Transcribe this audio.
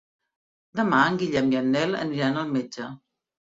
Demà en Guillem i en Nel aniran al metge.